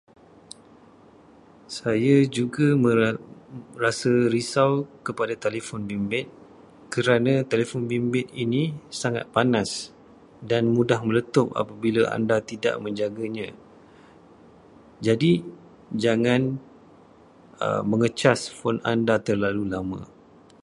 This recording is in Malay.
Saya juga mera- rasa risau kepada telefon bimbit kerana telefon bimbit ini sangat panas dan mudah meletup apabila anda tidak menjaganya. Jadi, jangan mengecas telefon anda terlalu lama.